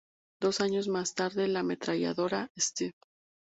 Dos años más tarde, la ametralladora St.